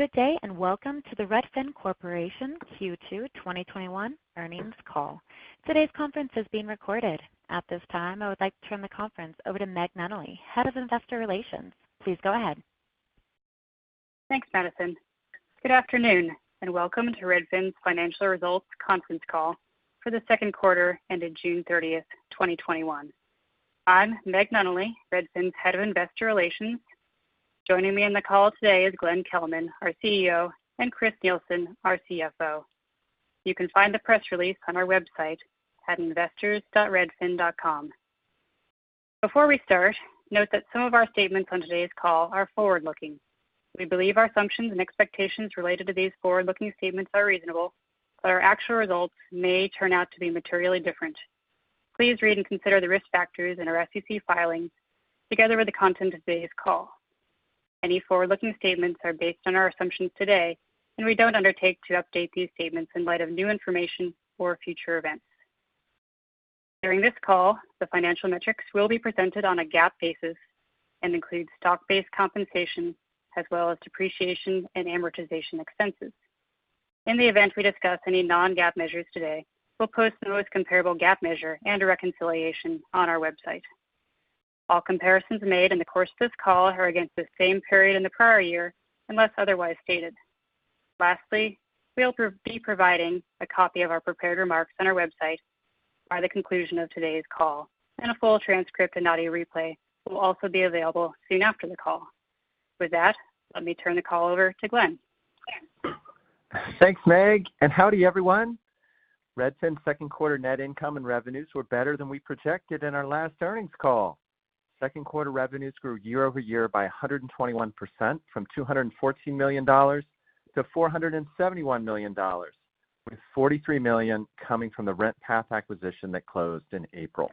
Good day, and welcome to the Redfin Corporation Q2 2021 earnings call. Today's conference is being recorded. At this time, I would like to turn the conference over to Meg Nunnally, Head of Investor Relations. Please go ahead. Thanks, Madison. Good afternoon, welcome to Redfin's financial results conference call for the second quarter ending June 30th, 2021. I'm Meg Nunnally, Redfin's Head of Investor Relations. Joining me on the call today is Glenn Kelman, our CEO, and Chris Nielsen, our CFO. You can find the press release on our website at investors.redfin.com. Before we start, note that some of our statements on today's call are forward-looking. We believe our assumptions and expectations related to these forward-looking statements are reasonable, but our actual results may turn out to be materially different. Please read and consider the risk factors in our SEC filings, together with the content of today's call. Any forward-looking statements are based on our assumptions today, we don't undertake to update these statements in light of new information or future events. During this call, the financial metrics will be presented on a GAAP basis and include stock-based compensation as well as depreciation and amortization expenses. In the event we discuss any non-GAAP measures today, we'll post the most comparable GAAP measure and a reconciliation on our website. All comparisons made in the course of this call are against the same period in the prior year, unless otherwise stated. Lastly, we will be providing a copy of our prepared remarks on our website by the conclusion of today's call, and a full transcript and audio replay will also be available soon after the call. With that, let me turn the call over to Glenn. Thanks, Meg, and howdy everyone. Redfin's second quarter net income and revenues were better than we projected in our last earnings call. Second quarter revenues grew year-over-year by 121%, from $214 million-$471 million, with $43 million coming from the RentPath acquisition that closed in April.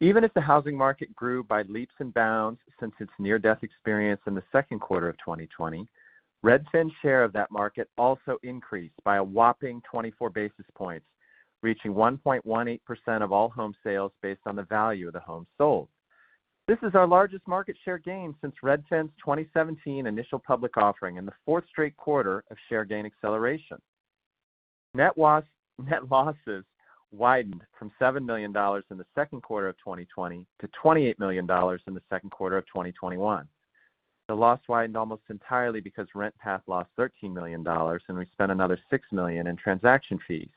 Even if the housing market grew by leaps and bounds since its near-death experience in the second quarter of 2020, Redfin's share of that market also increased by a whopping 24 basis points, reaching 1.18% of all home sales based on the value of the homes sold. This is our largest market share gain since Redfin's 2017 initial public offering, and the fourth straight quarter of share gain acceleration. Net losses widened from $7 million in the second quarter of 2020 to $28 million in the second quarter of 2021. The loss widened almost entirely because RentPath lost $13 million. We spent another $6 million in transaction fees.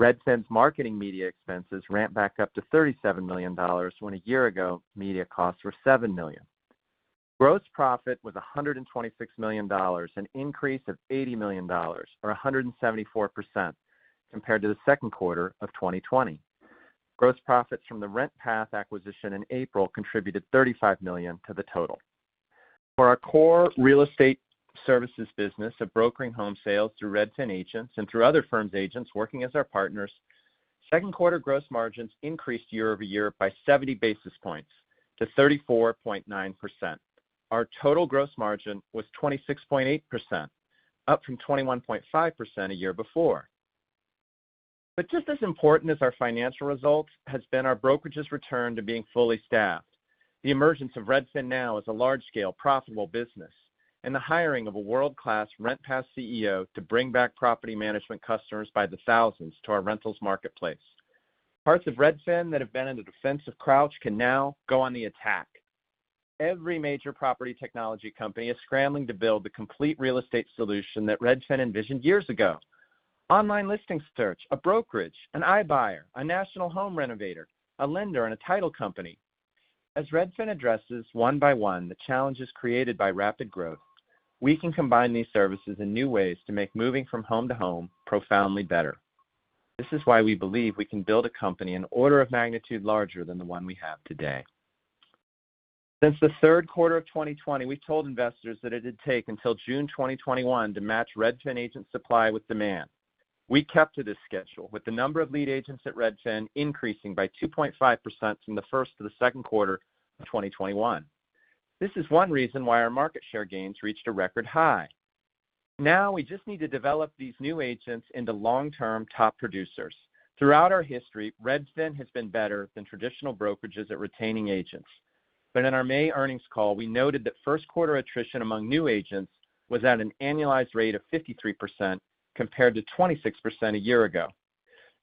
Redfin's marketing media expenses ramped back up to $37 million when a year ago, media costs were $7 million. Gross profit was $126 million, an increase of $80 million or 174% compared to the second quarter of 2020. Gross profits from the RentPath acquisition in April contributed $35 million to the total. For our core real estate services business of brokering home sales through Redfin agents and through other firms' agents working as our partners, second quarter gross margins increased year-over-year by 70 basis points to 34.9%. Our total gross margin was 26.8%, up from 21.5% a year before. Just as important as our financial results has been our brokerage's return to being fully staffed. The emergence of RedfinNow is a large-scale, profitable business, and the hiring of a world-class RentPath CEO to bring back property management customers by the thousands to our rentals marketplace. Parts of Redfin that have been in a defensive crouch can now go on the attack. Every major property technology company is scrambling to build the complete real estate solution that Redfin envisioned years ago. Online listing search, a brokerage, an iBuyer, a national home renovator, a lender, and a title company. As Redfin addresses one by one the challenges created by rapid growth, we can combine these services in new ways to make moving from home to home profoundly better. This is why we believe we can build a company an order of magnitude larger than the one we have today. Since the third quarter of 2020, we told investors that it'd take until June 2021 to match Redfin agent supply with demand. We kept to this schedule, with the number of lead agents at Redfin increasing by 2.5% from the first to the second quarter of 2021. This is one reason why our market share gains reached a record high. Now, we just need to develop these new agents into long-term top producers. Throughout our history, Redfin has been better than traditional brokerages at retaining agents. In our May earnings call, we noted that first quarter attrition among new agents was at an annualized rate of 53%, compared to 26% a year ago.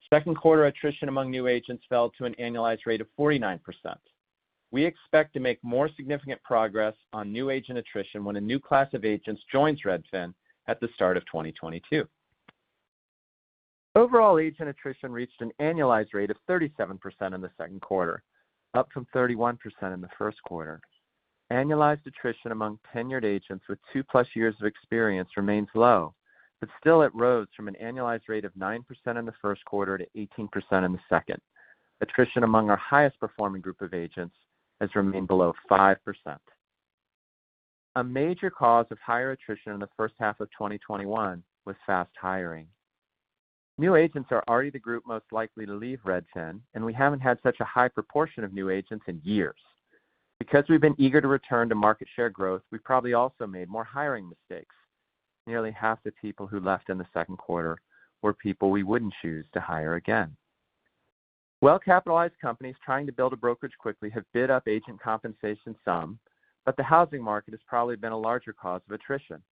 Second quarter attrition among new agents fell to an annualized rate of 49%. We expect to make more significant progress on new agent attrition when a new class of agents joins Redfin at the start of 2022. Overall agent attrition reached an annualized rate of 37% in the second quarter, up from 31% in the first quarter. Annualized attrition among tenured agents with two-plus years of experience remains low, still it rose from an annualized rate of 9% in the first quarter to 18% in the second. Attrition among our highest performing group of agents has remained below 5%. A major cause of higher attrition in the first half of 2021 was fast hiring. New agents are already the group most likely to leave Redfin, we haven't had such a high proportion of new agents in years. Because we've been eager to return to market share growth, we've probably also made more hiring mistakes. Nearly half the people who left in the second quarter were people we wouldn't choose to hire again. Well-capitalized companies trying to build a brokerage quickly have bid up agent compensation some, but the housing market has probably been a larger cause of attrition.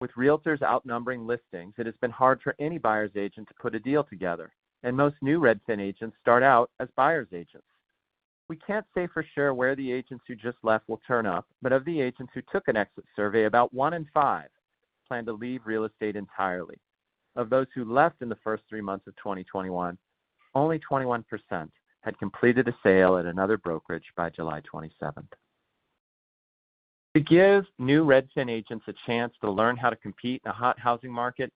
With realtors outnumbering listings, it has been hard for any buyer's agent to put a deal together, and most new Redfin agents start out as buyer's agents. We can't say for sure where the agents who just left will turn up, but of the agents who took an exit survey, about one in five plan to leave real estate entirely. Of those who left in the first three months of 2021, only 21% had completed a sale at another brokerage by July 27th. To give new Redfin agents a chance to learn how to compete in a hot housing market,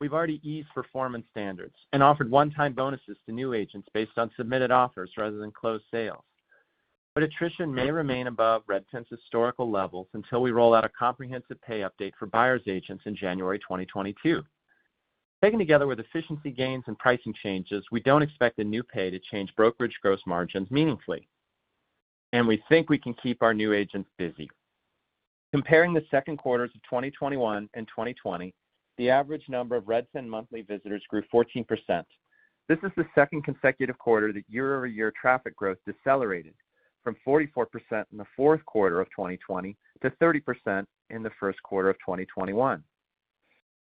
we've already eased performance standards and offered one-time bonuses to new agents based on submitted offers rather than closed sales. Attrition may remain above Redfin's historical levels until we roll out a comprehensive pay update for buyer's agents in January 2022. Taken together with efficiency gains and pricing changes, we don't expect the new pay to change brokerage gross margins meaningfully, and we think we can keep our new agents busy. Comparing the second quarters of 2021 and 2020, the average number of Redfin monthly visitors grew 14%. This is the second consecutive quarter that year-over-year traffic growth decelerated from 44% in the fourth quarter of 2020 to 30% in the first quarter of 2021.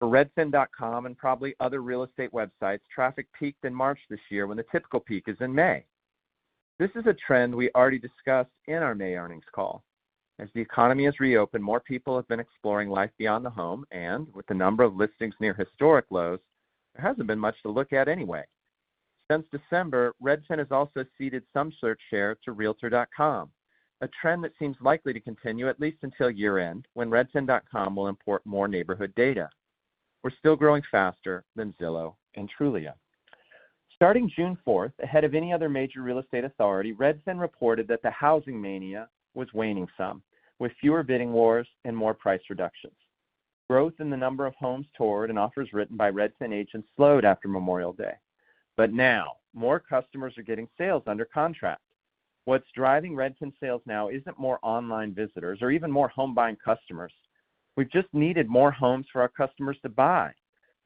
For redfin.com and probably other real estate websites, traffic peaked in March this year when the typical peak is in May. This is a trend we already discussed in our May earnings call. As the economy has reopened, more people have been exploring life beyond the home, and with the number of listings near historic lows, there hasn't been much to look at anyway. Since December, Redfin has also ceded some search share to realtor.com, a trend that seems likely to continue at least until year-end, when redfin.com will import more neighborhood data. We're still growing faster than Zillow and Trulia. Starting June 4th, ahead of any other major real estate authority, Redfin reported that the housing mania was waning some, with fewer bidding wars and more price reductions. Growth in the number of homes toured and offers written by Redfin agents slowed after Memorial Day. Now, more customers are getting sales under contract. What's driving Redfin sales now isn't more online visitors or even more home-buying customers. We've just needed more homes for our customers to buy.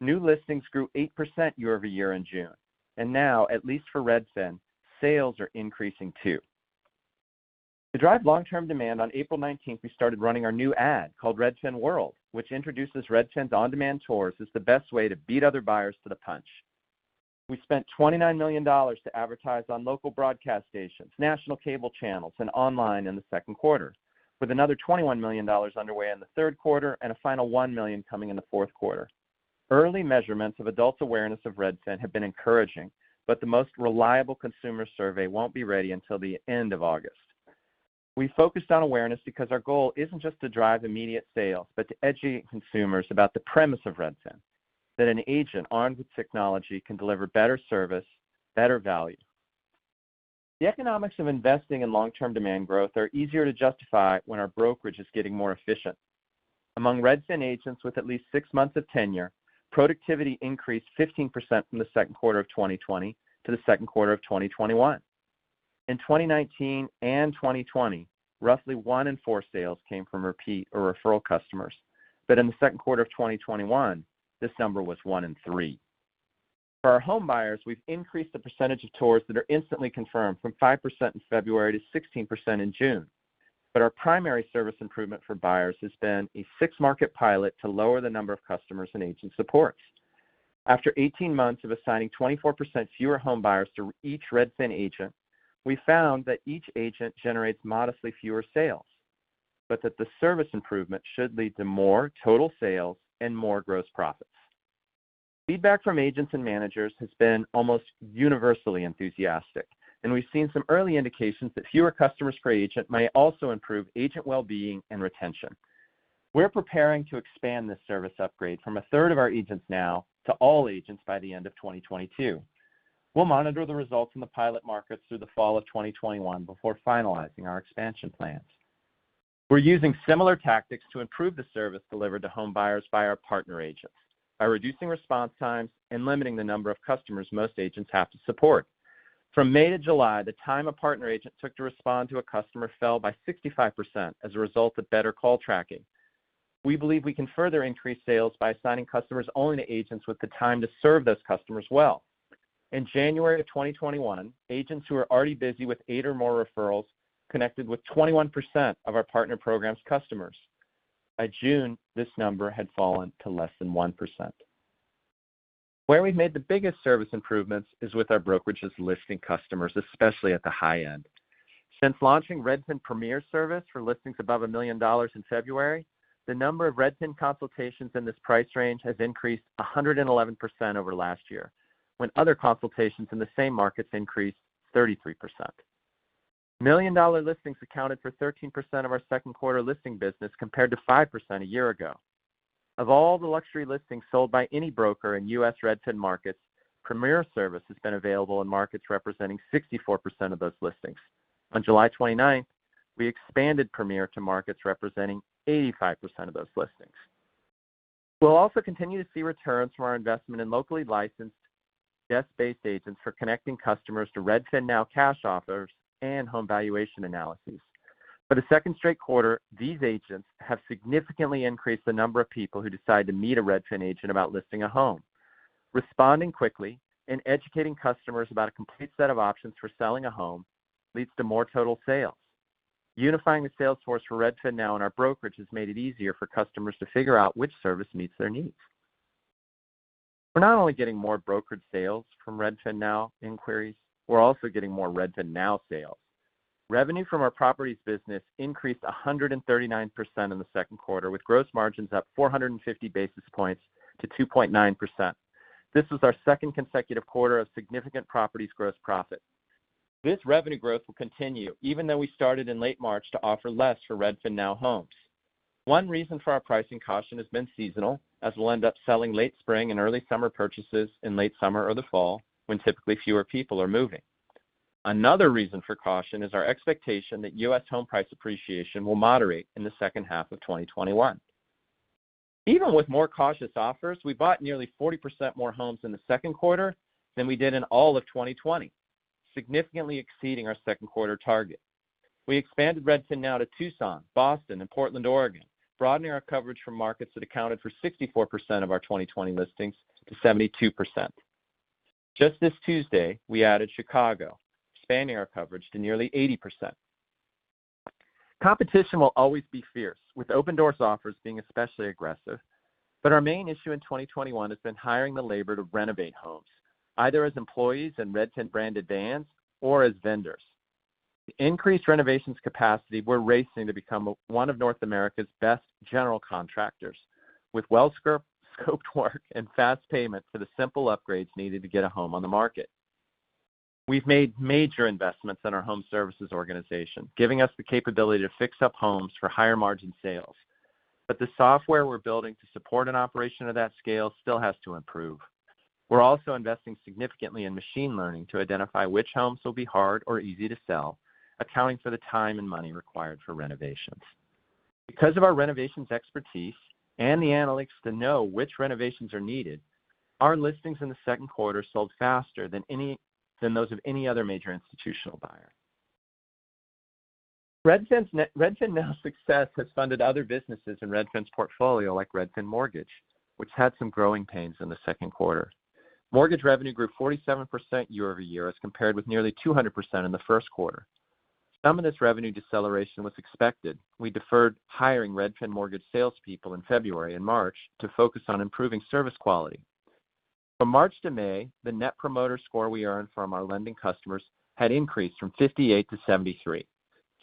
New listings grew 8% year-over-year in June, and now, at least for Redfin, sales are increasing, too. To drive long-term demand, on April 19th, we started running our new ad called Redfin World, which introduces Redfin's on-demand tours as the best way to beat other buyers to the punch. We spent $29 million to advertise on local broadcast stations, national cable channels, and online in the second quarter, with another $21 million underway in the third quarter and a final $1 million coming in the fourth quarter. Early measurements of adults' awareness of Redfin have been encouraging, but the most reliable consumer survey won't be ready until the end of August. We focused on awareness because our goal isn't just to drive immediate sales, but to educate consumers about the premise of Redfin, that an agent armed with technology can deliver better service, better value. The economics of investing in long-term demand growth are easier to justify when our brokerage is getting more efficient. Among Redfin agents with at least six months of tenure, productivity increased 15% from the second quarter of 2020 to the second quarter of 2021. In 2019 and 2020, roughly one in four sales came from repeat or referral customers. In the second quarter of 2021, this number was one in three. For our home buyers, we've increased the percentage of tours that are instantly confirmed from 5% in February to 16% in June. Our primary service improvement for buyers has been a six-market pilot to lower the number of customers an agent supports. After 18 months of assigning 24% fewer home buyers to each Redfin agent, we found that each agent generates modestly fewer sales, but that the service improvement should lead to more total sales and more gross profits. We've seen some early indications that fewer customers per agent may also improve agent well-being and retention. We're preparing to expand this service upgrade from a third of our agents now to all agents by the end of 2022. We'll monitor the results in the pilot markets through the fall of 2021 before finalizing our expansion plans. We're using similar tactics to improve the service delivered to home buyers by our partner agents by reducing response times and limiting the number of customers most agents have to support. From May to July, the time a partner agent took to respond to a customer fell by 65% as a result of better call tracking. We believe we can further increase sales by assigning customers only to agents with the time to serve those customers well. In January of 2021, agents who were already busy with eight or more referrals connected with 21% of our partner program's customers. By June, this number had fallen to less than 1%. Where we've made the biggest service improvements is with our brokerage's listing customers, especially at the high end. Since launching Redfin Premier service for listings above $1 million in February, the number of Redfin consultations in this price range has increased 111% over last year, when other consultations in the same markets increased 33%. Million-dollar listings accounted for 13% of our second quarter listing business compared to 5% a year ago. Of all the luxury listings sold by any broker in U.S. Redfin markets, Redfin Premier has been available in markets representing 64% of those listings. On July 29th, we expanded Redfin Premier to markets representing 85% of those listings. We'll also continue to see returns from our investment in locally licensed desk-based agents for connecting customers to RedfinNow cash offers and home valuation analyses. For the second straight quarter, these agents have significantly increased the number of people who decide to meet a Redfin agent about listing a home. Responding quickly and educating customers about a complete set of options for selling a home leads to more total sales. Unifying the sales force for RedfinNow and our brokerage has made it easier for customers to figure out which service meets their needs. We're not only getting more brokerage sales from RedfinNow inquiries, we're also getting more RedfinNow sales. Revenue from our properties business increased 139% in the second quarter, with gross margins up 450 basis points to 2.9%. This was our second consecutive quarter of significant properties gross profit. This revenue growth will continue even though we started in late March to offer less for RedfinNow homes. One reason for our pricing caution has been seasonal, as we'll end up selling late spring and early summer purchases in late summer or the fall, when typically fewer people are moving. Another reason for caution is our expectation that U.S. home price appreciation will moderate in the second half of 2021. Even with more cautious offers, we bought nearly 40% more homes in the second quarter than we did in all of 2020, significantly exceeding our second quarter target. We expanded RedfinNow to Tucson, Boston, and Portland, Oregon, broadening our coverage from markets that accounted for 64% of our 2020 listings to 72%. Just this Tuesday, we added Chicago, expanding our coverage to nearly 80%. Competition will always be fierce, with Opendoor's offers being especially aggressive, but our main issue in 2021 has been hiring the labor to renovate homes, either as employees in Redfin-branded vans or as vendors. To increase renovations capacity, we're racing to become one of North America's best general contractors, with well-scoped work and fast payment for the simple upgrades needed to get a home on the market. We've made major investments in our home services organization, giving us the capability to fix up homes for higher margin sales. The software we're building to support an operation of that scale still has to improve. We're also investing significantly in machine learning to identify which homes will be hard or easy to sell, accounting for the time and money required for renovations. Because of our renovations expertise and the analytics to know which renovations are needed, our listings in the second quarter sold faster than those of any other major institutional buyer. RedfinNow's success has funded other businesses in Redfin's portfolio, like Redfin Mortgage, which had some growing pains in the second quarter. Mortgage revenue grew 47% year-over-year as compared with nearly 200% in the first quarter. Some of this revenue deceleration was expected. We deferred hiring Redfin Mortgage salespeople in February and March to focus on improving service quality. From March to May, the Net Promoter Score we earned from our lending customers had increased from 58-73,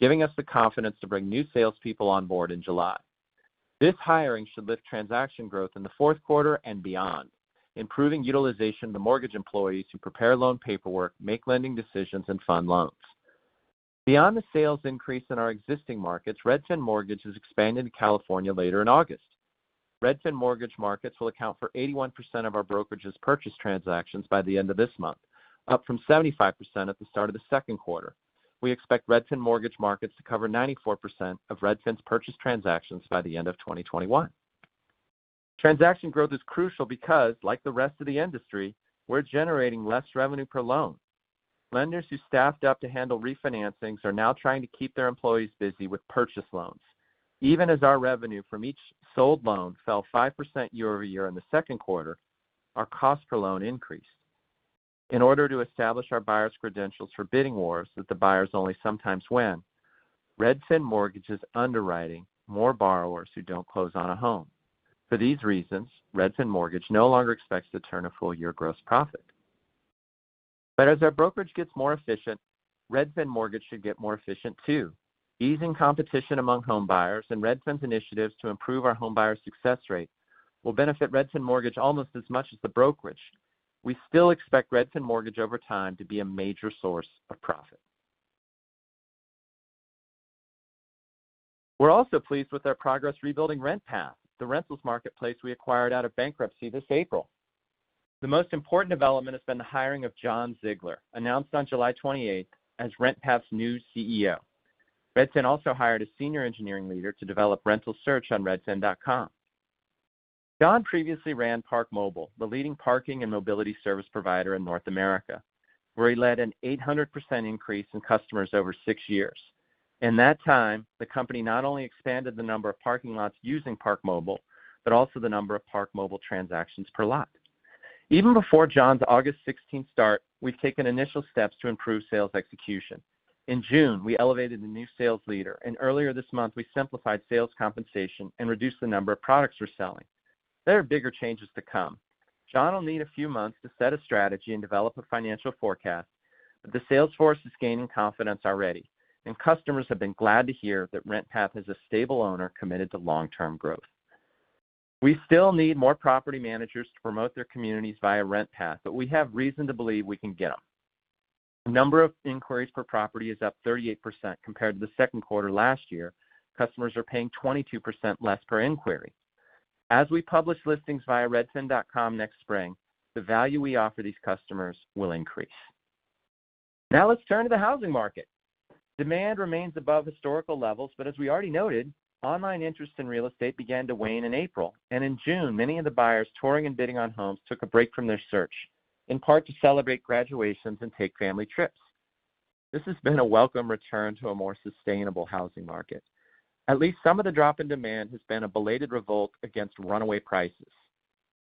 giving us the confidence to bring new salespeople on board in July. This hiring should lift transaction growth in the fourth quarter and beyond, improving utilization of the mortgage employees who prepare loan paperwork, make lending decisions, and fund loans. Beyond the sales increase in our existing markets, Redfin Mortgage is expanding to California later in August. Redfin Mortgage markets will account for 81% of our brokerage's purchase transactions by the end of this month, up from 75% at the start of the second quarter. We expect Redfin Mortgage markets to cover 94% of Redfin's purchase transactions by the end of 2021. Transaction growth is crucial because, like the rest of the industry, we're generating less revenue per loan. Lenders who staffed up to handle refinancings are now trying to keep their employees busy with purchase loans. Even as our revenue from each sold loan fell 5% year-over-year in the second quarter, our cost per loan increased. In order to establish our buyers' credentials for bidding wars that the buyers only sometimes win, Redfin Mortgage is underwriting more borrowers who don't close on a home. For these reasons, Redfin Mortgage no longer expects to turn a full-year gross profit. As our brokerage gets more efficient, Redfin Mortgage should get more efficient, too. Easing competition among home buyers and Redfin's initiatives to improve our home buyer success rate will benefit Redfin Mortgage almost as much as the brokerage. We still expect Redfin Mortgage, over time, to be a major source of profit. We're also pleased with our progress rebuilding RentPath, the rentals marketplace we acquired out of bankruptcy this April. The most important development has been the hiring of Jon Ziglar, announced on July 28th as RentPath's new CEO. Redfin also hired a senior engineering leader to develop rental search on redfin.com. Jon previously ran ParkMobile, the leading parking and mobility service provider in North America, where he led an 800% increase in customers over six years. In that time, the company not only expanded the number of parking lots using ParkMobile, but also the number of ParkMobile transactions per lot. Even before Jon's August 16th start, we've taken initial steps to improve sales execution. In June, we elevated a new sales leader, and earlier this month, we simplified sales compensation and reduced the number of products we're selling. There are bigger changes to come. Jon will need a few months to set a strategy and develop a financial forecast, but the sales force is gaining confidence already, and customers have been glad to hear that RentPath has a stable owner committed to long-term growth. We still need more property managers to promote their communities via RentPath, but we have reason to believe we can get them. The number of inquiries per property is up 38% compared to the second quarter last year. Customers are paying 22% less per inquiry. As we publish listings via redfin.com next spring, the value we offer these customers will increase. Let's turn to the housing market. Demand remains above historical levels, but as we already noted, online interest in real estate began to wane in April, and in June, many of the buyers touring and bidding on homes took a break from their search. In part to celebrate graduations and take family trips. This has been a welcome return to a more sustainable housing market. At least some of the drop in demand has been a belated revolt against runaway prices.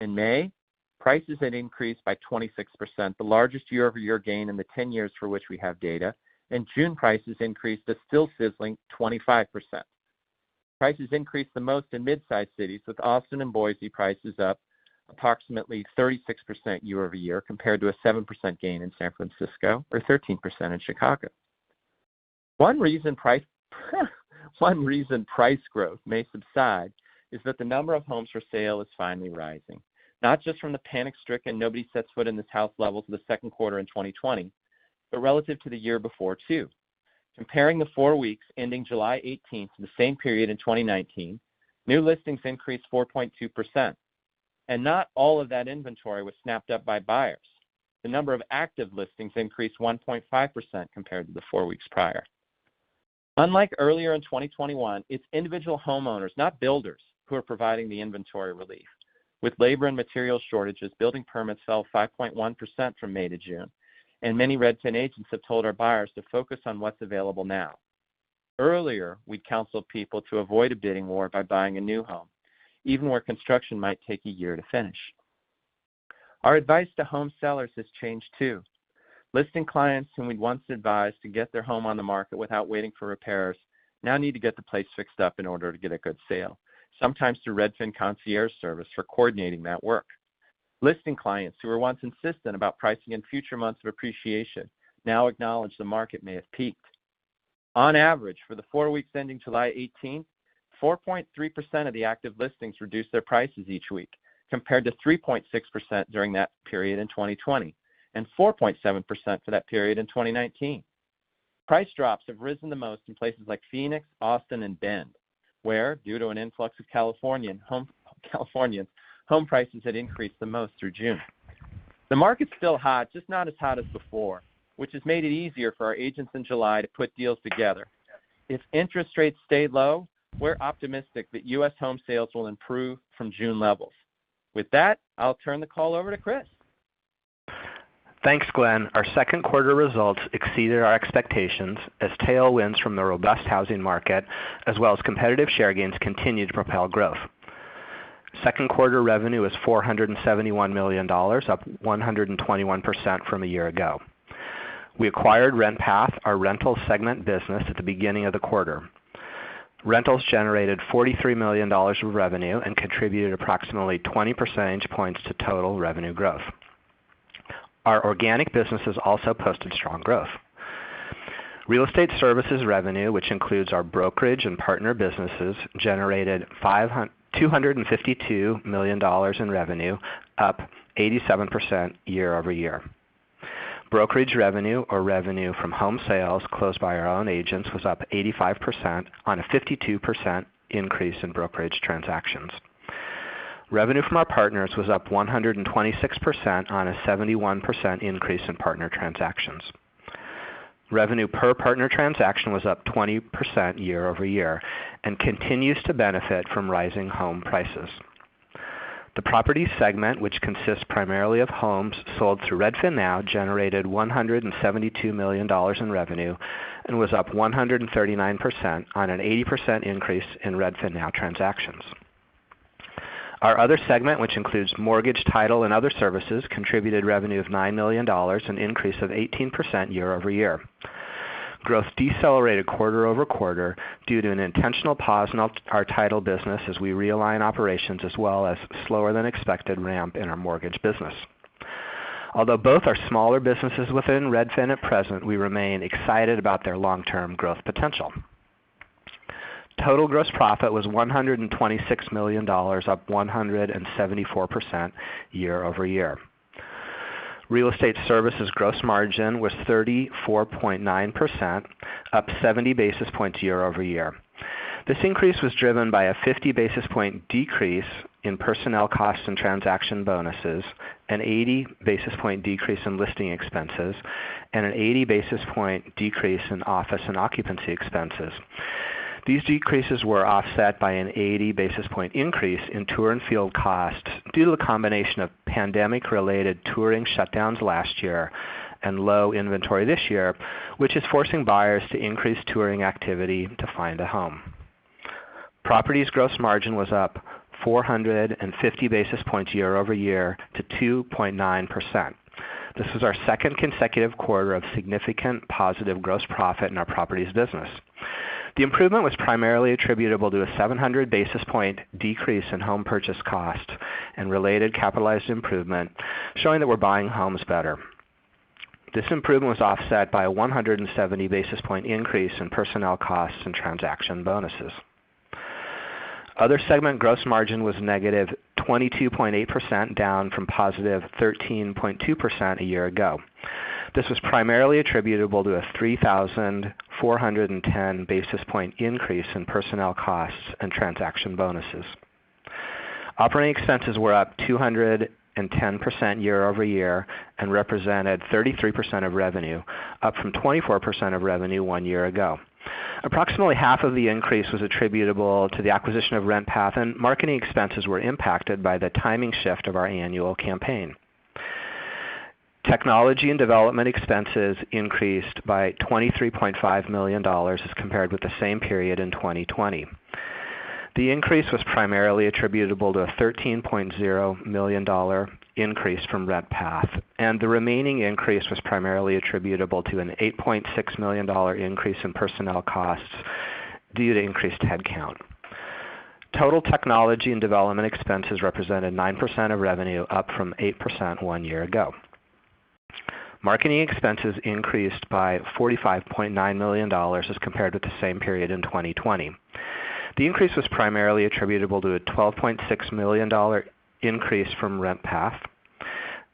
In May, prices had increased by 26%, the largest year-over-year gain in the 10 years for which we have data, and June prices increased a still sizzling 25%. Prices increased the most in mid-size cities, with Austin and Boise prices up approximately 36% year-over-year compared to a 7% gain in San Francisco or 13% in Chicago. One reason price growth may subside is that the number of homes for sale is finally rising, not just from the panic-stricken, nobody-sets-foot-in-this-house levels of the second quarter in 2020, but relative to the year before, too. Comparing the four weeks ending July 18th to the same period in 2019, new listings increased 4.2%, and not all of that inventory was snapped up by buyers. The number of active listings increased 1.5% compared to the four weeks prior. Unlike earlier in 2021, it's individual homeowners, not builders, who are providing the inventory relief. With labor and material shortages, building permits fell 5.1% from May to June, and many Redfin agents have told our buyers to focus on what's available now. Earlier, we counseled people to avoid a bidding war by buying a new home, even where construction might take a year to finish. Our advice to home sellers has changed, too. Listing clients whom we'd once advised to get their home on the market without waiting for repairs now need to get the place fixed up in order to get a good sale, sometimes through Redfin Concierge Service for coordinating that work. Listing clients who were once insistent about pricing in future months of appreciation now acknowledge the market may have peaked. On average, for the four weeks ending July 18th, 4.3% of the active listings reduced their prices each week, compared to 3.6% during that period in 2020 and 4.7% for that period in 2019. Price drops have risen the most in places like Phoenix, Austin, and Bend, where, due to an influx of Californians, home prices had increased the most through June. The market's still hot, just not as hot as before, which has made it easier for our agents in July to put deals together. If interest rates stay low, we're optimistic that U.S. home sales will improve from June levels. With that, I'll turn the call over to Chris. Thanks, Glenn. Our second quarter results exceeded our expectations as tailwinds from the robust housing market, as well as competitive share gains, continued to propel growth. Second quarter revenue was $471 million, up 121% from a year ago. We acquired RentPath, our rental segment business, at the beginning of the quarter. Rentals generated $43 million of revenue and contributed approximately 20 percentage points to total revenue growth. Our organic businesses also posted strong growth. Real Estate Services revenue, which includes our brokerage and partner businesses, generated $252 million in revenue, up 87% year-over-year. Brokerage revenue, or revenue from home sales closed by our own agents, was up 85% on a 52% increase in brokerage transactions. Revenue from our partners was up 126% on a 71% increase in partner transactions. Revenue per partner transaction was up 20% year-over-year and continues to benefit from rising home prices. The property segment, which consists primarily of homes sold through RedfinNow, generated $172 million in revenue and was up 139% on an 80% increase in RedfinNow transactions. Our other segment, which includes mortgage, title, and other services, contributed revenue of $9 million, an increase of 18% year-over-year. Growth decelerated quarter-over-quarter due to an intentional pause in our title business as we realign operations, as well as slower than expected ramp in our mortgage business. Although both are smaller businesses within Redfin at present, we remain excited about their long-term growth potential. Total gross profit was $126 million, up 174% year-over-year. Real Estate Services' gross margin was 34.9%, up 70 basis points year-over-year. This increase was driven by a 50-basis-point decrease in personnel costs and transaction bonuses, an 80-basis-point decrease in listing expenses, and an 80-basis-point decrease in office and occupancy expenses. These decreases were offset by an 80-basis-point increase in tour and field costs due to a combination of pandemic-related touring shutdowns last year and low inventory this year, which is forcing buyers to increase touring activity to find a home. Properties' gross margin was up 450 basis points year-over-year to 2.9%. This was our second consecutive quarter of significant positive gross profit in our Properties business. The improvement was primarily attributable to a 700-basis-point decrease in home purchase cost and related capitalized improvement, showing that we're buying homes better. This improvement was offset by a 170-basis-point increase in personnel costs and transaction bonuses. Other Segment gross margin was negative 22.8%, down from positive 13.2% a year ago. This was primarily attributable to a 3,410-basis-point increase in personnel costs and transaction bonuses. Operating expenses were up 210% year-over-year and represented 33% of revenue, up from 24% of revenue one year ago. Approximately half of the increase was attributable to the acquisition of RentPath, and marketing expenses were impacted by the timing shift of our annual campaign. Technology and development expenses increased by $23.5 million as compared with the same period in 2020. The increase was primarily attributable to a $13.0 million increase from RentPath, and the remaining increase was primarily attributable to an $8.6 million increase in personnel costs due to increased headcount. Total technology and development expenses represented 9% of revenue, up from 8% one year ago. Marketing expenses increased by $45.9 million as compared with the same period in 2020. The increase was primarily attributable to a $12.6 million increase from RentPath.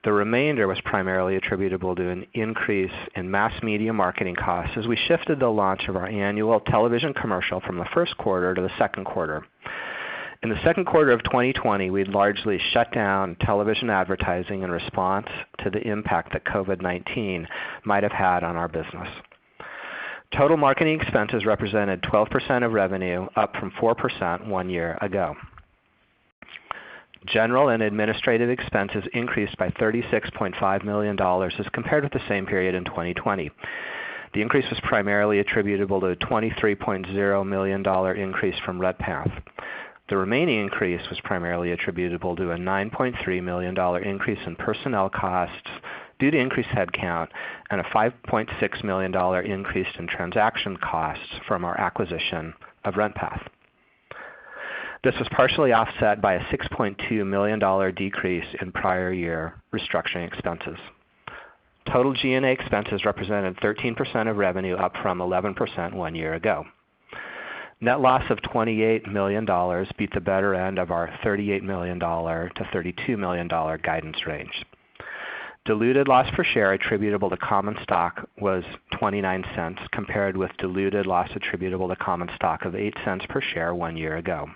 The remainder was primarily attributable to an increase in mass media marketing costs as we shifted the launch of our annual television commercial from the first quarter to the second quarter. In the second quarter of 2020, we had largely shut down television advertising in response to the impact that COVID-19 might have had on our business. Total marketing expenses represented 12% of revenue, up from 4% one year ago. General and administrative expenses increased by $36.5 million as compared with the same period in 2020. The increase was primarily attributable to a $23.0 million increase from RentPath. The remaining increase was primarily attributable to a $9.3 million increase in personnel costs due to increased headcount and a $5.6 million increase in transaction costs from our acquisition of RentPath. This was partially offset by a $6.2 million decrease in prior year restructuring expenses. Total G&A expenses represented 13% of revenue, up from 11% one year ago. Net loss of $28 million beat the better end of our $38 million-$32 million guidance range. Diluted loss per share attributable to common stock was $0.29, compared with diluted loss attributable to common stock of $0.08 per share one year ago.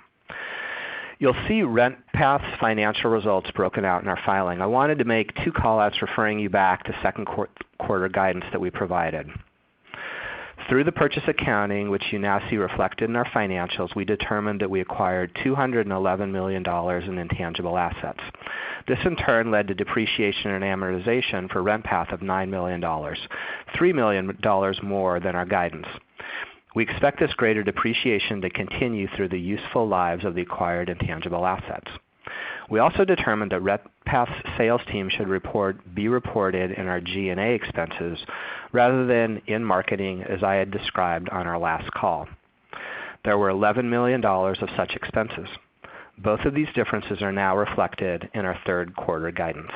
You'll see RentPath's financial results broken out in our filing. I wanted to make two call-outs referring you back to second quarter guidance that we provided. Through the purchase accounting, which you now see reflected in our financials, we determined that we acquired $211 million in intangible assets. This, in turn, led to depreciation and amortization for RentPath of $9 million, $3 million more than our guidance. We expect this greater depreciation to continue through the useful lives of the acquired intangible assets. We also determined that RentPath's sales team should be reported in our G&A expenses rather than in marketing, as I had described on our last call. There were $11 million of such expenses. Both of these differences are now reflected in our third quarter guidance.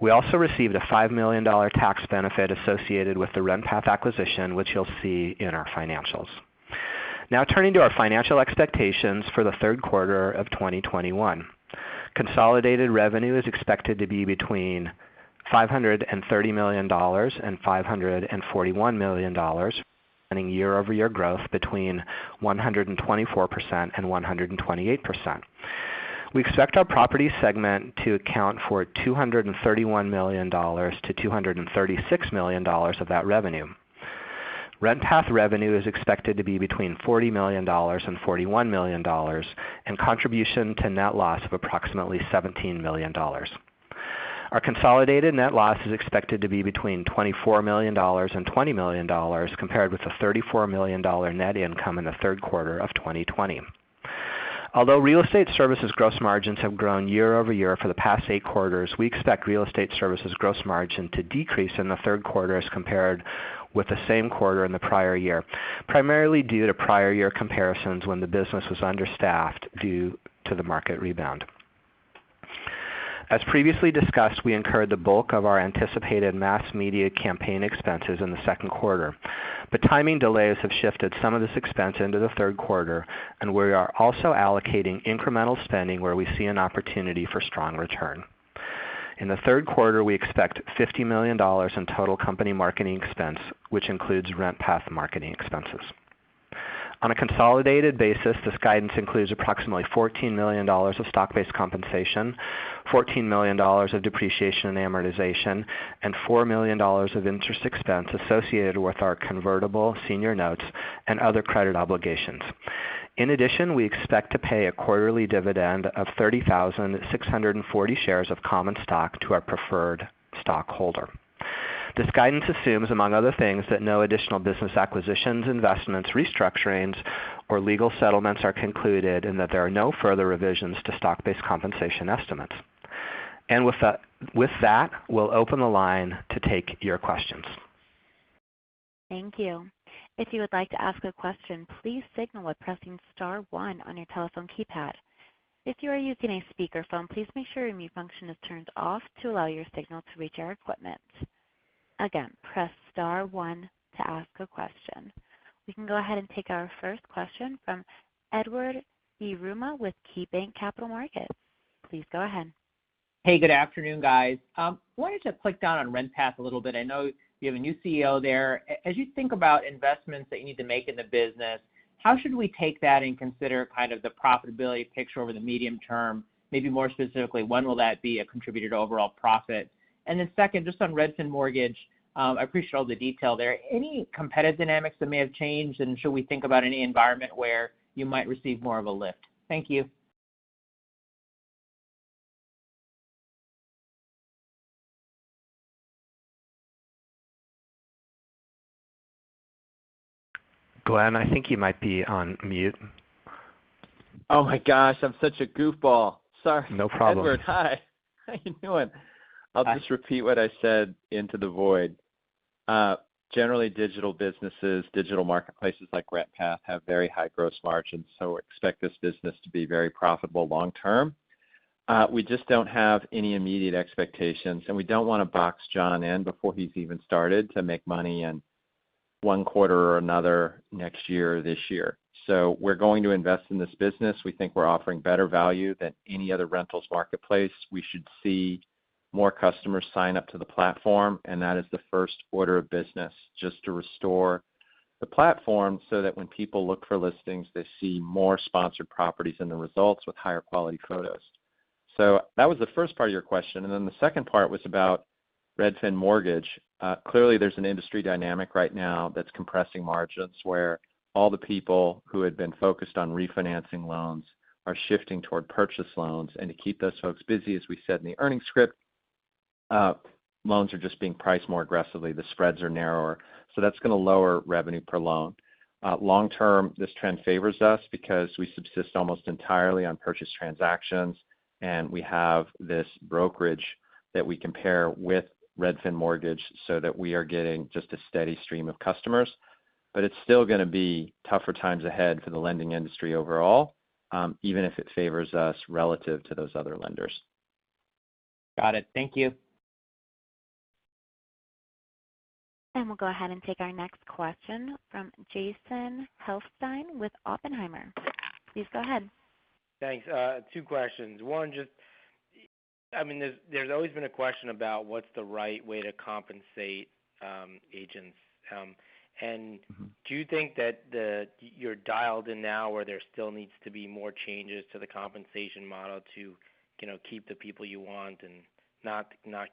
We also received a $5 million tax benefit associated with the RentPath acquisition, which you'll see in our financials. Turning to our financial expectations for the third quarter of 2021. Consolidated revenue is expected to be between $530 million and $541 million, meaning year-over-year growth between 124% and 128%. We expect our property segment to account for $231 million-$236 million of that revenue. RentPath revenue is expected to be between $40 million and $41 million, and contribution to net loss of approximately $17 million. Our consolidated net loss is expected to be between $24 million and $20 million, compared with a $34 million net income in the third quarter of 2020. Although real estate services gross margins have grown year-over-year for the past eight quarters, we expect real estate services gross margin to decrease in the third quarter as compared with the same quarter in the prior year, primarily due to prior year comparisons when the business was understaffed due to the market rebound. Timing delays have shifted some of this expense into the third quarter, and we are also allocating incremental spending where we see an opportunity for strong return. In the third quarter, we expect $50 million in total company marketing expense, which includes RentPath marketing expenses. On a consolidated basis, this guidance includes approximately $14 million of stock-based compensation, $14 million of depreciation and amortization, and $4 million of interest expense associated with our convertible senior notes and other credit obligations. We expect to pay a quarterly dividend of 30,640 shares of common stock to our preferred stockholder. This guidance assumes, among other things, that no additional business acquisitions, investments, restructurings, or legal settlements are concluded, and that there are no further revisions to stock-based compensation estimates. We'll open the line to take your questions. Thank you. If you would like to ask a question, please signal by pressing star one on your telephone keypad. If you are using a speakerphone, please make sure your mute function is turned off to allow your signal to reach our equipment. Again, press star one to ask a question. We can go ahead and take our first question from Edward Yruma with KeyBanc Capital Markets. Please go ahead. Hey, good afternoon, guys. Wanted to click down on RentPath a little bit. I know you have a new CEO there. As you think about investments that you need to make in the business. How should we take that and consider the profitability picture over the medium term? Maybe more specifically, when will that be a contributor to overall profit? Second, just on Redfin Mortgage, I appreciate all the detail there. Any competitive dynamics that may have changed, and should we think about any environment where you might receive more of a lift? Thank you. Glenn, I think you might be on mute. Oh my gosh, I'm such a goofball. Sorry. No problem. Edward, hi. How you doing? Hi. I'll just repeat what I said into the void. Generally, digital businesses, digital marketplaces like RentPath have very high gross margins, so expect this business to be very profitable long term. We just don't have any immediate expectations, and we don't want to box Jon in before he's even started to make money in one quarter or another, next year or this year. We're going to invest in this business. We think we're offering better value than any other rentals marketplace. We should see more customers sign up to the platform, and that is the first order of business, just to restore the platform so that when people look for listings, they see more sponsored properties in the results with higher quality photos. That was the first part of your question, and then the second part was about Redfin Mortgage. Clearly, there's an industry dynamic right now that's compressing margins where all the people who had been focused on refinancing loans are shifting toward purchase loans. To keep those folks busy, as we said in the earnings script, loans are just being priced more aggressively. The spreads are narrower. That's going to lower revenue per loan. Long term, this trend favors us because we subsist almost entirely on purchase transactions, and we have this brokerage that we compare with Redfin Mortgage so that we are getting just a steady stream of customers. It's still going to be tougher times ahead for the lending industry overall, even if it favors us relative to those other lenders. Got it. Thank you. We'll go ahead and take our next question from Jason Helfstein with Oppenheimer. Please go ahead. Thanks. Two questions. One, there's always been a question about what's the right way to compensate agents. Do you think that you're dialed in now, or there still needs to be more changes to the compensation model to keep the people you want and not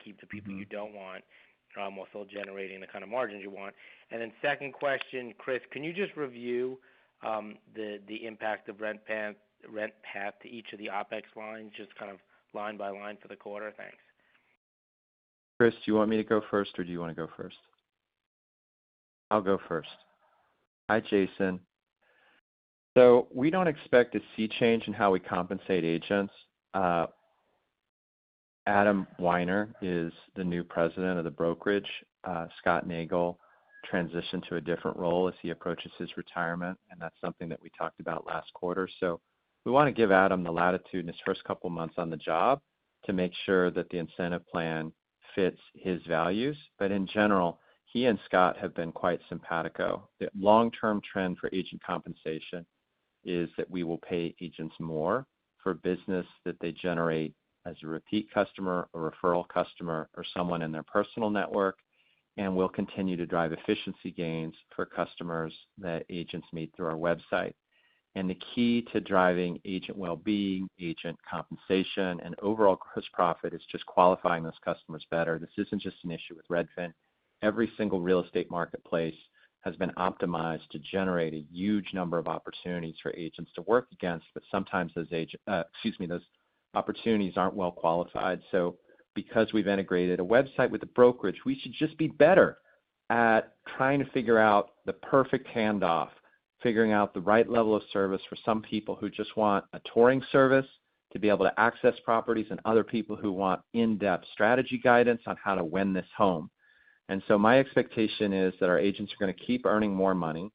keep the people you don't want, while still generating the kind of margins you want? Second question, Chris, can you just review the impact of RentPath to each of the OpEx lines, just line by line for the quarter? Thanks. Chris, do you want me to go first, or do you want to go first? I'll go first. Hi, Jason. We don't expect to see change in how we compensate agents. Adam Wiener is the new President of the brokerage. Scott Nagel transitioned to a different role as he approaches his retirement, and that's something that we talked about last quarter. We want to give Adam the latitude in his first couple of months on the job to make sure that the incentive plan fits his values. In general, he and Scott have been quite simpatico. The long-term trend for agent compensation is that we will pay agents more for business that they generate as a repeat customer, a referral customer, or someone in their personal network, and we'll continue to drive efficiency gains for customers that agents meet through our website. The key to driving agent wellbeing, agent compensation, and overall gross profit is just qualifying those customers better. This isn't just an issue with Redfin. Every single real estate marketplace has been optimized to generate a huge number of opportunities for agents to work against, but sometimes those opportunities aren't well-qualified. Because we've integrated a website with a brokerage, we should just be better at trying to figure out the perfect handoff, figuring out the right level of service for some people who just want a touring service to be able to access properties, and other people who want in-depth strategy guidance on how to win this home. My expectation is that our agents are going to keep earning more money,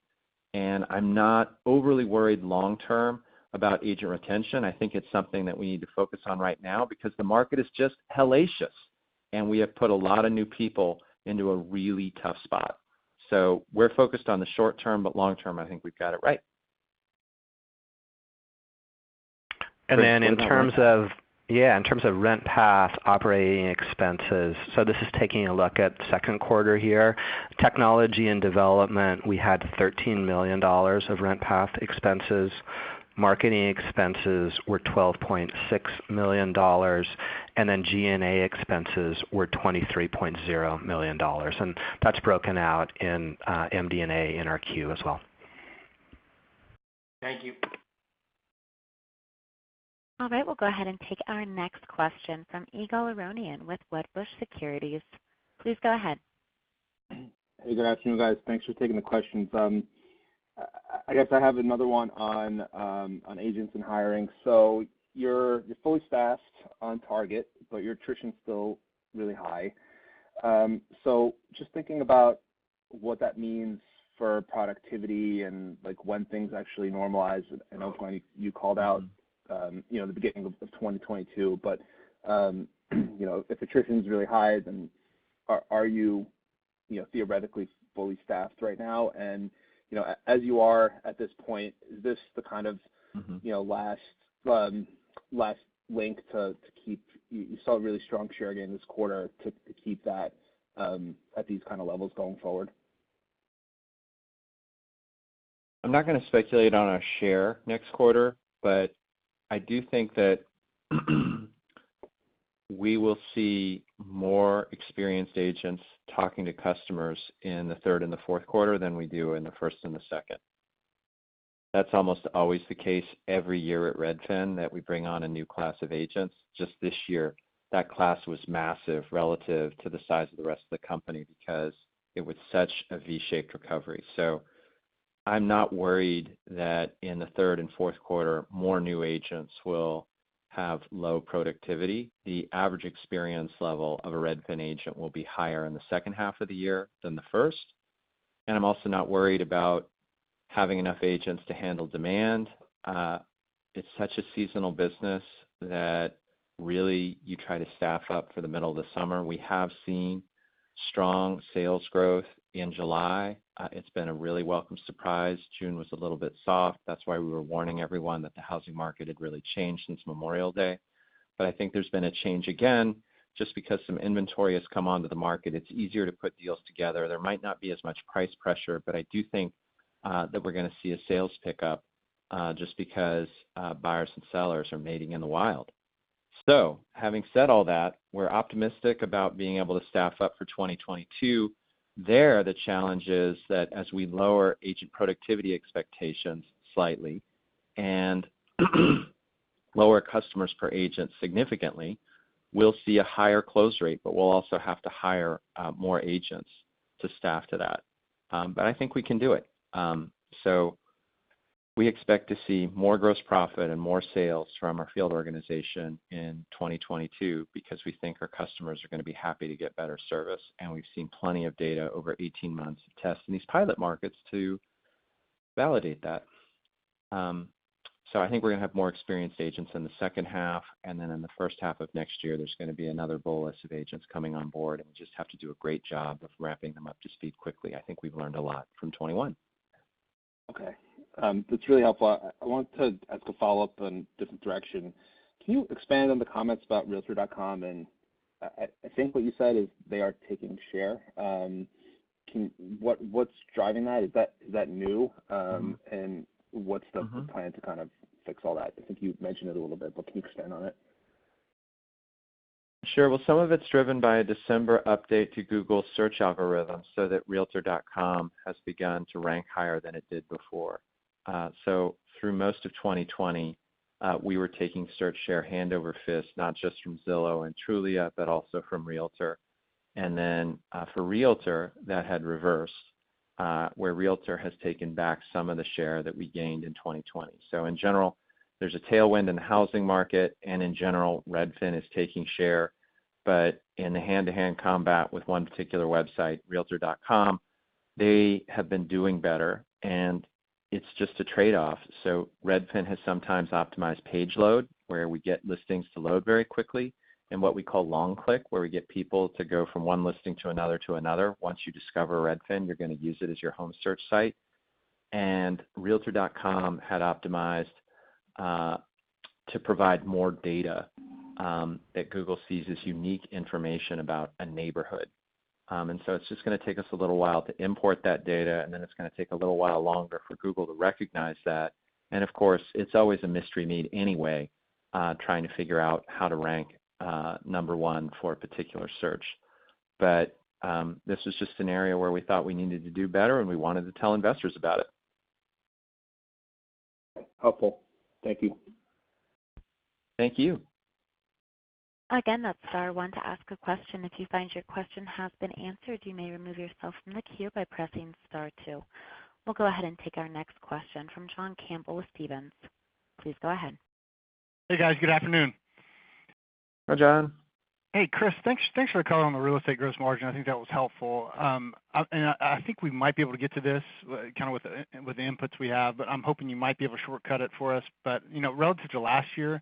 and I'm not overly worried long term about agent retention. I think it's something that we need to focus on right now because the market is just hellacious, and we have put a lot of new people into a really tough spot. We're focused on the short term, but long term, I think we've got it right. In terms of RentPath operating expenses, this is taking a look at the second quarter here. Technology and development, we had $13 million of RentPath expenses. Marketing expenses were $12.6 million. G&A expenses were $23.0 million. That's broken out in MD&A in our Q as well. Thank you. All right. We'll go ahead and take our next question from Ygal Arounian with Wedbush Securities. Please go ahead. Hey, good afternoon, guys. Thanks for taking the questions. I guess I have another one on agents and hiring. You're fully staffed on target, but your attrition's still really high. Just thinking about what that means for productivity and when things actually normalize. I know you called out the beginning of 2022, but if attrition's really high, then are you theoretically fully staffed right now? last link to keep, you saw a really strong share gain this quarter, to keep that at these kind of levels going forward? I'm not going to speculate on our share next quarter, but I do think that we will see more experienced agents talking to customers in the third and fourth quarter than we do in the first and second. That's almost always the case every year at Redfin, that we bring on a new class of agents. Just this year, that class was massive relative to the size of the rest of the company, because it was such a V-shaped recovery. I'm not worried that in the third and fourth quarter, more new agents will have low productivity. The average experience level of a Redfin agent will be higher in the second half of the year than the first, and I'm also not worried about having enough agents to handle demand. It's such a seasonal business that really, you try to staff up for the middle of the summer. We have seen strong sales growth in July. It's been a really welcome surprise. June was a little bit soft. That's why we were warning everyone that the housing market had really changed since Memorial Day. I think there's been a change again, just because some inventory has come onto the market. It's easier to put deals together. There might not be as much price pressure, but I do think that we're going to see a sales pickup, just because buyers and sellers are mating in the wild. Having said all that, we're optimistic about being able to staff up for 2022. There, the challenge is that as we lower agent productivity expectations slightly and lower customers per agent significantly, we will see a higher close rate, but we will also have to hire more agents to staff to that. I think we can do it. We expect to see more gross profit and more sales from our field organization in 2022 because we think our customers are going to be happy to get better service, and we have seen plenty of data over 18 months of tests in these pilot markets to validate that. I think we are going to have more experienced agents in the second half. In the first half of next year, there is going to be another bolus of agents coming on board, and we just have to do a great job of ramping them up to speed quickly. I think we have learned a lot from 2021. Okay. That's really helpful. I want to ask a follow-up in a different direction. Can you expand on the comments about realtor.com? I think what you said is they are taking share. What's driving that? Is that new? What's the plan to fix all that? I think you mentioned it a little bit, but can you expand on it? Some of it's driven by a December update to Google search algorithm so that realtor.com has begun to rank higher than it did before. Through most of 2020, we were taking search share hand over fist, not just from Zillow and Trulia, but also from realtor.com. For realtor.com, that had reversed, where realtor.com has taken back some of the share that we gained in 2020. In general, there's a tailwind in the housing market, and in general, Redfin is taking share. In the hand-to-hand combat with one particular website, realtor.com, they have been doing better, and it's just a trade-off. Redfin has sometimes optimized page load, where we get listings to load very quickly, and what we call long click, where we get people to go from one listing to another to another. Once you discover Redfin, you're going to use it as your home search site. realtor.com had optimized to provide more data that Google sees as unique information about a neighborhood. It's just going to take us a little while to import that data, and then it's going to take a little while longer for Google to recognize that. Of course, it's always a mystery meat anyway, trying to figure out how to rank number one for a particular search. This is just an area where we thought we needed to do better, and we wanted to tell investors about it. Helpful. Thank you. Thank you. Again, that's star one to ask a question. If you find your question has been answered, you may remove yourself from the queue by pressing star two. We'll go ahead and take our next question from John Campbell with Stephens. Please go ahead. Hey, guys. Good afternoon. Hi, John. Hey, Chris. Thanks for the color on the real estate gross margin. I think that was helpful. I think we might be able to get to this with the inputs we have, but I'm hoping you might be able to shortcut it for us. Relative to last year,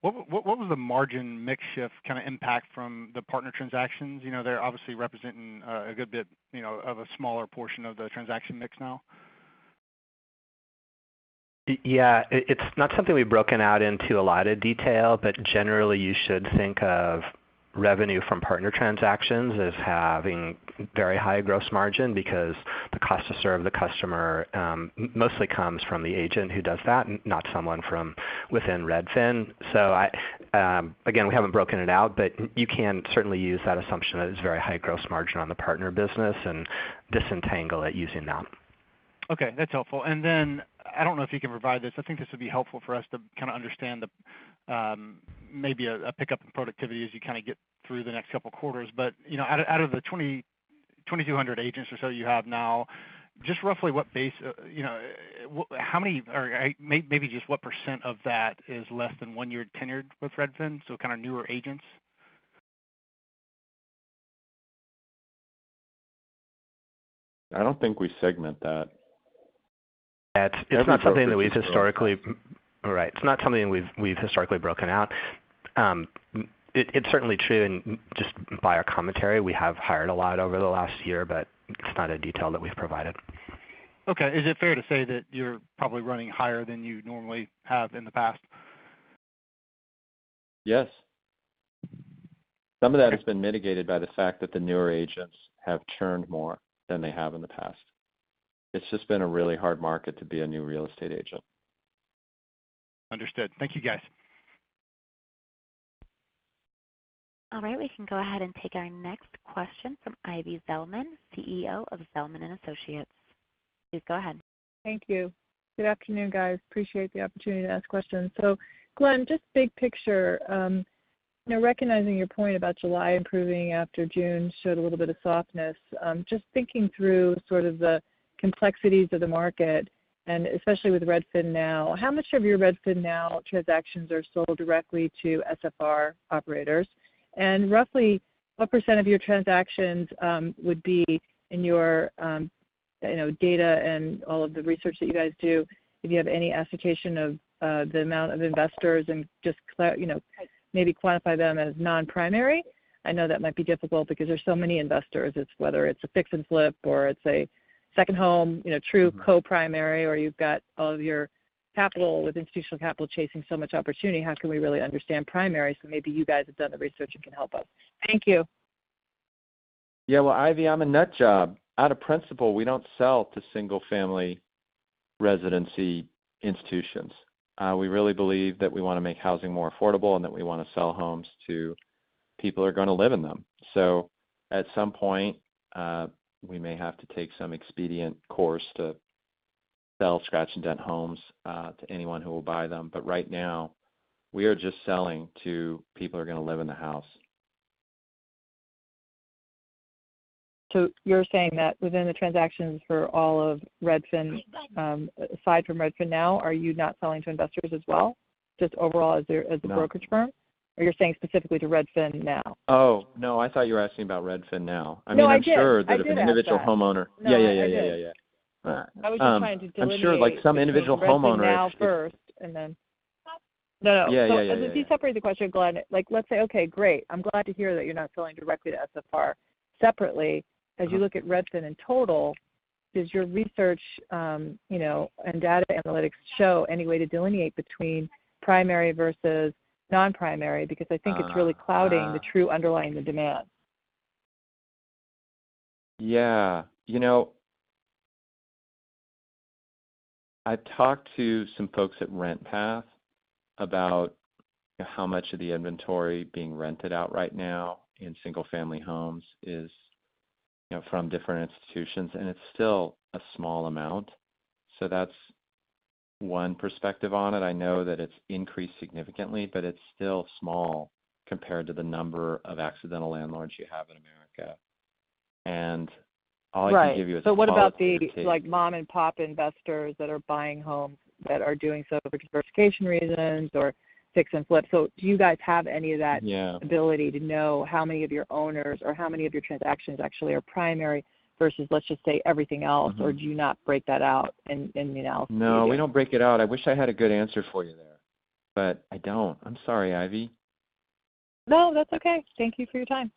what was the margin mix shift impact from the partner transactions? They're obviously representing a good bit of a smaller portion of the transaction mix now. Yeah. It's not something we've broken out into a lot of detail, but generally, you should think of revenue from partner transactions as having very high gross margin because the cost to serve the customer mostly comes from the agent who does that, not someone from within Redfin. Again, we haven't broken it out, but you can certainly use that assumption that it's very high gross margin on the partner business and disentangle it using that. Okay, that's helpful. I don't know if you can provide this. I think this would be helpful for us to understand maybe a pickup in productivity as you get through the next couple of quarters. Out of the 2,200 agents or so you have now, just roughly, what percent of that is less than one-year tenured with Redfin, so newer agents? I don't think we segment that. It's not something that we've historically broken out. It's certainly true, and just by our commentary, we have hired a lot over the last year, but it's not a detail that we've provided. Okay. Is it fair to say that you're probably running higher than you normally have in the past? Yes. Some of that has been mitigated by the fact that the newer agents have churned more than they have in the past. It's just been a really hard market to be a new real estate agent. Understood. Thank you, guys. All right, we can go ahead and take our next question from Ivy Zelman, CEO of Zelman & Associates. Please go ahead. Thank you. Good afternoon, guys. Appreciate the opportunity to ask questions. Glenn, just big picture, recognizing your point about July improving after June showed a little bit of softness. Just thinking through sort of the complexities of the market, and especially with RedfinNow, how much of your RedfinNow transactions are sold directly to SFR operators? And roughly what percent of your transactions would be in your data and all of the research that you guys do, if you have any estimation of the amount of investors and just maybe quantify them as non-primary. I know that might be difficult because there's so many investors. Whether it's a fix and flip or it's a second home, true co-primary, or you've got all of your capital with institutional capital chasing so much opportunity. How can we really understand primary? Maybe you guys have done the research and can help us. Thank you. Well, Ivy, I'm a nut job. Out of principle, we don't sell to single-family residency institutions. We really believe that we want to make housing more affordable and that we want to sell homes to people who are going to live in them. At some point, we may have to take some expedient course to sell scratch and dent homes to anyone who will buy them. Right now, we are just selling to people who are going to live in the house. You're saying that within the transactions for all of Redfin, aside from RedfinNow, are you not selling to investors as well? No. Just overall as a brokerage firm? Or you're saying specifically to RedfinNow? Oh, no, I thought you were asking about RedfinNow. No, I did. I mean, I'm sure that if an individual homeowner Yeah. I was just trying to delineate. I'm sure like some individual homeowner- RedfinNow first, and then No. Yeah. As you separate the question, Glenn, let's say, okay, great, I'm glad to hear that you're not selling directly to SFR. Separately, as you look at Redfin in total, does your research and data analytics show any way to delineate between primary versus non-primary? Because I think it's really clouding the true underlying the demand. Yeah. I talked to some folks at RentPath about how much of the inventory being rented out right now in single-family homes is from different institutions, and it's still a small amount. That's one perspective on it. I know that it's increased significantly, but it's still small compared to the number of accidental landlords you have in America. Right. What about the mom-and-pop investors that are buying homes that are doing so for diversification reasons or fix and flip? Do you guys have any of that? Yeah. Ability to know how many of your owners or how many of your transactions actually are primary versus, let's just say, everything else? Do you not break that out in any analysis you do? No, we don't break it out. I wish I had a good answer for you there, but I don't. I'm sorry, Ivy. No, that's okay. Thank you for your time.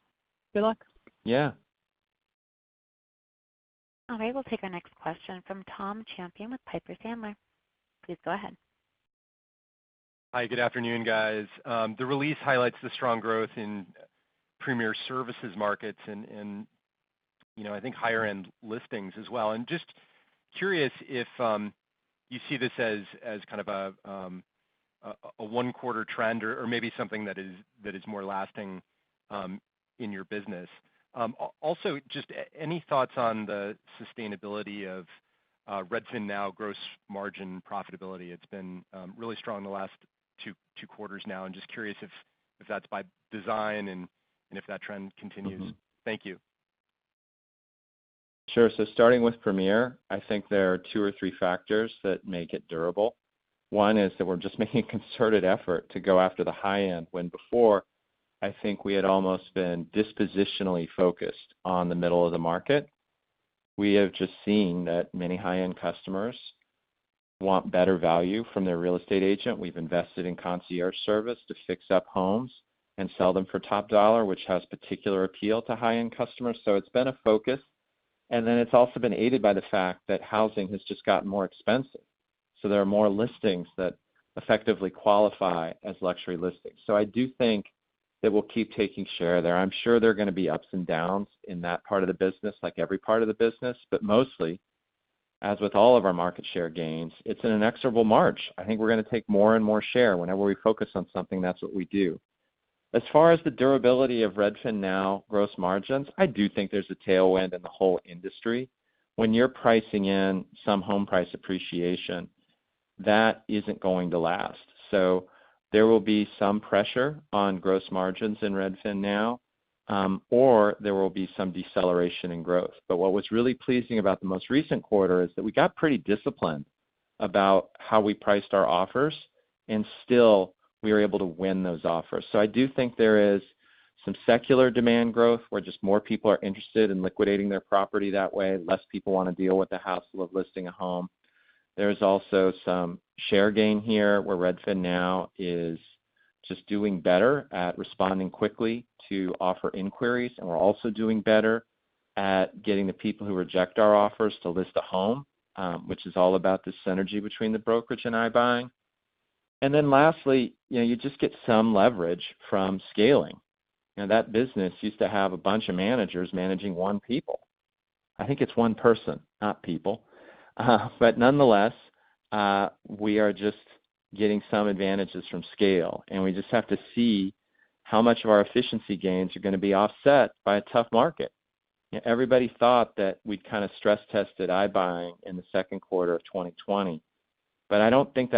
Good luck. Yeah. All right, we'll take our next question from Tom Champion with Piper Sandler. Please go ahead. Hi, good afternoon, guys. The release highlights the strong growth in Premier services markets and I think higher-end listings as well. Just curious if you see this as a one-quarter trend or maybe something that is more lasting in your business. Also, just any thoughts on the sustainability of RedfinNow gross margin profitability. It's been really strong the last two quarters now, and just curious if that's by design and if that trend continues. Thank you. Sure. Starting with Premier, I think there are two or three factors that make it durable. One is that we're just making a concerted effort to go after the high end, when before, I think we had almost been dispositionally focused on the middle of the market. We have just seen that many high-end customers want better value from their real estate agent. We've invested in Redfin Concierge Service to fix up homes and sell them for top dollar, which has particular appeal to high-end customers. It's been a focus, and then it's also been aided by the fact that housing has just gotten more expensive. There are more listings that effectively qualify as luxury listings. I do think that we'll keep taking share there. I'm sure there are going to be ups and downs in that part of the business, like every part of the business. Mostly, as with all of our market share gains, it's an inexorable march. I think we're going to take more and more share. Whenever we focus on something, that's what we do. As far as the durability of RedfinNow gross margins, I do think there's a tailwind in the whole industry. When you're pricing in some home price appreciation, that isn't going to last. There will be some pressure on gross margins in RedfinNow, or there will be some deceleration in growth. What was really pleasing about the most recent quarter is that we got pretty disciplined about how we priced our offers, and still, we were able to win those offers. I do think there is some secular demand growth where just more people are interested in liquidating their property that way. Less people want to deal with the hassle of listing a home. There's also some share gain here where RedfinNow is just doing better at responding quickly to offer inquiries, and we're also doing better at getting the people who reject our offers to list a home, which is all about the synergy between the brokerage and iBuying. Lastly, you just get some leverage from scaling. That business used to have a bunch of managers managing one people. I think it's one person, not people. Nonetheless, we are just getting some advantages from scale, and we just have to see how much of our efficiency gains are going to be offset by a tough market. Everybody thought that we'd stress-tested iBuying in the second quarter of 2020. I don't think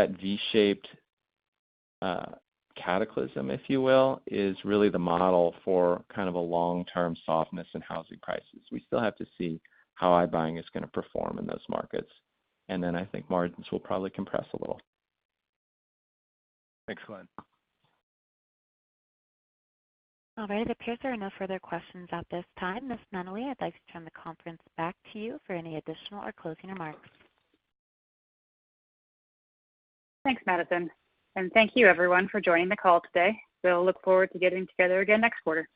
that V-shaped cataclysm, if you will, is really the model for a long-term softness in housing prices. We still have to see how iBuying is going to perform in those markets. I think margins will probably compress a little. Thanks, Glenn. All right. It appears there are no further questions at this time. Ms. Nunnally, I'd like to turn the conference back to you for any additional or closing remarks. Thanks, Madison. Thank you everyone for joining the call today. We'll look forward to getting together again next quarter.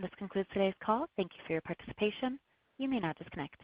This concludes today's call. Thank you for your participation. You may now disconnect.